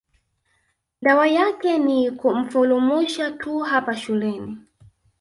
Dawa yake ni kumfulumusha tu hapa shuleni